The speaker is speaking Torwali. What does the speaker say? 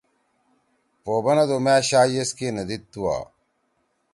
پو بنَدو مأ شا یِسکے نہ دیدتُوا۔